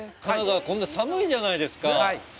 金沢、こんな寒いじゃないですか。